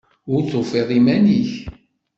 Ur tufiḍ iman-nnek.